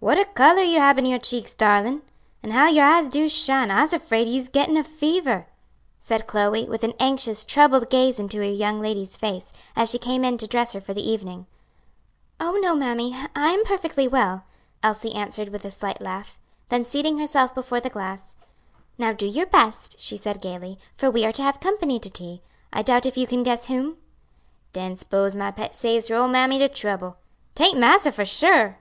"What a color you hab in your cheeks, darlin'! an' how your eyes do shine. I'se 'fraid you's gettin' a fever," said Chloe, with an anxious, troubled gaze into her young lady's face, as she came in to dress her for the evening. "Oh, no, mammy, I am perfectly well," Elsie answered with a slight laugh. Then seating herself before the glass, "Now do your best," she said gayly, "for we are to have company to tea. I doubt if you can guess whom?" "Den 'spose my pet saves her ole mammy de trouble. 'Taint massa, for sure?"